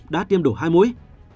chín mươi năm đã tiêm đủ hai mũi